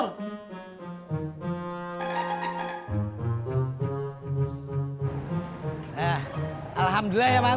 nah alhamdulillah ya man